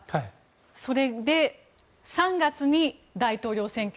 それで３月に大統領選挙。